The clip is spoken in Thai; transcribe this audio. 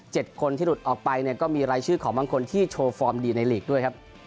เจ็ดคนที่หลุดออกไปก็มีรายชื่อของบางคนที่โชว์ฟอร์มดีในลีกด้วย